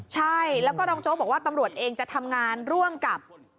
ใช่แล้วก็รองโจ๊กบอกว่าตำรวจเองจะทำงานร่วมกับ